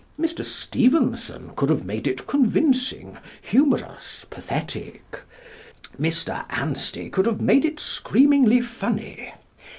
Mr. Stevenson could have made it convincing, humorous, pathetic. Mr. Anstey could have made it screamingly funny.